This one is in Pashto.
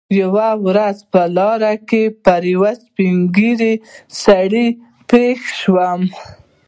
یوه ورځ په لاره کې پر یوه سپین ږیري سړي پېښ شوم.